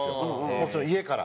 もちろん家から。